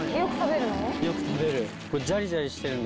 よく食べるの？